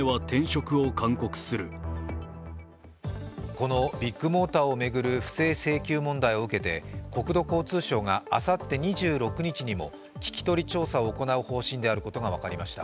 このビッグモーターを巡る不正請求問題を受けて、国土交通省があさって２６日にも聞き取り調査を行う方針であることが分かりました。